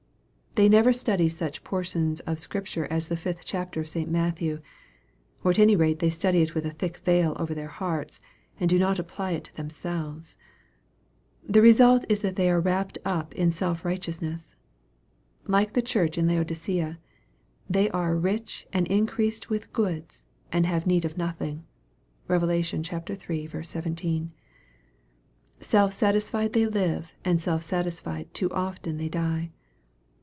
They never study such portions of Scripture as the fifth chapter of St. Matthew, or at any rate they study it with a thick veil over their hearts, and do not apply it to themselves. The result is that they are wrapped up in self righteous ness. Like the church of Laodicea, they are " rich and increased with goods, and have need of nothing." (Rev. iii. 17.) Self satisfied they live, and self satisfied too often they die.